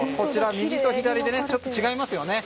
右と左でちょっと違いますよね。